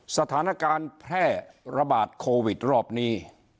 สถานการณ์แพร่ระบาดโควิดรอบนี้